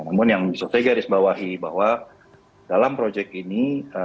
namun yang bisa saya garisbawahi bahwa dalam proyek ini